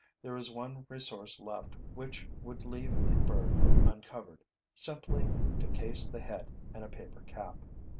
There is one resource left which would leave the bird uncovered: simply to case the head in a paper cap.